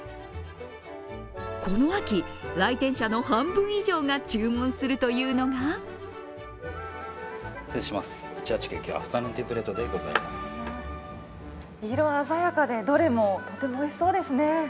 この秋、来店者の半分以上が注文するというのが色鮮やかでどれもとてもおいしそうですね。